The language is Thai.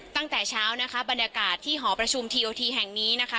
ตั้งแต่เช้านะคะบรรยากาศที่หอประชุมทีโอทีแห่งนี้นะคะ